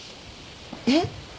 えっ？